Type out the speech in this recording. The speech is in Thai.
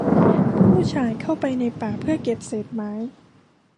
ผู้ชายเข้าไปในป่าเพื่อเก็บเศษไม้